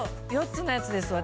「４つのやつです私」